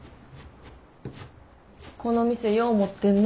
この店ようもってんな。